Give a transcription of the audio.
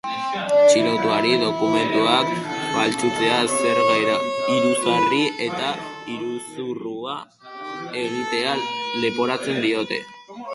Atxilotuari dokumentuak faltsutzea, zerga iruzurra eta iruzurra egitea leporatzen diote.